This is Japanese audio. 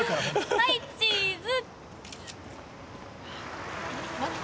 はいチーズ。